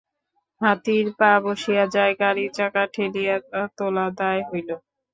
হাতির পা বসিয়া যায়, গাড়ির চাকা ঠেলিয়া তোলা দায় হইল।